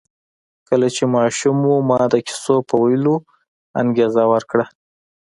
کله چې ماشوم و ما د کیسو په ویلو انګېزه ورکړه